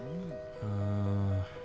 ああ。